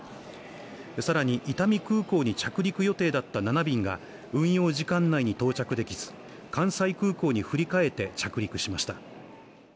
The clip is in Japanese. さらに伊丹空港に着陸予定だった７便が運用時間内に到着できず関西空港に振り替えて着陸しました